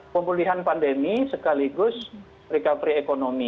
pemulihan pandemi sekaligus recovery ekonomi